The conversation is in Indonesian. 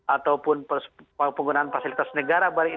ataupun penggunaan fasilitas negara